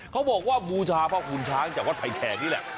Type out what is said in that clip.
เขาบอกว่าบูชาพ่อขุนช้านจากว่าไทยแทงนี่แหละ